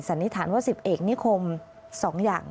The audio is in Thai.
นิษฐานว่า๑๐เอกนิคม๒อย่าง